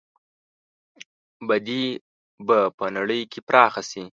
بدي به په نړۍ کې پراخه شي.